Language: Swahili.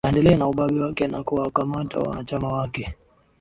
aendelea na ubabe wake na kuwakamata wanachama wake